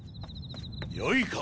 よいか！